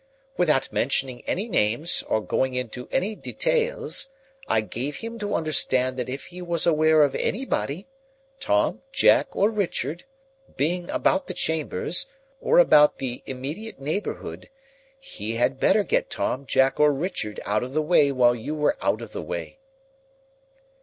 Without mentioning any names or going into any details, I gave him to understand that if he was aware of anybody—Tom, Jack, or Richard—being about the chambers, or about the immediate neighbourhood, he had better get Tom, Jack, or Richard out of the way while you were out of the way."